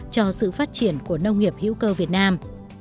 cho sự phát triển của nông nghiệp hữu cơ việt nam